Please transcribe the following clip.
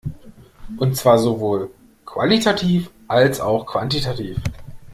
Und zwar sowohl qualitativ als auch quantitativ.